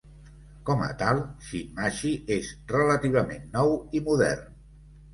Com a tal, Shinmachi és relativament nou i modern.